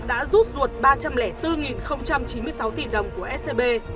đã rút ruột ba trăm linh bốn chín mươi sáu tỷ đồng của scb